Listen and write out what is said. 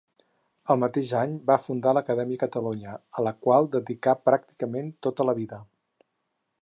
El mateix any va fundar l'Acadèmia Catalunya, a la qual dedicà pràcticament tota la vida.